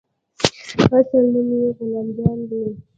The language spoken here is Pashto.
اصلي نوم يې غلام جان دى.